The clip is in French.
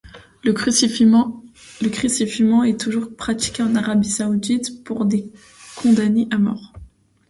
Le crucifiement est toujours pratiqué en Arabie Saoudite pour des condamnés à mort.